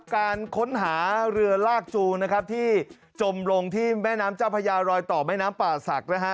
การค้นหาเรือลากจูงนะครับที่จมลงที่แม่น้ำเจ้าพญารอยต่อแม่น้ำป่าศักดิ์นะฮะ